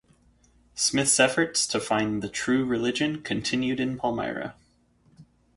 Smith's efforts to find the true religion continued in Palmyra.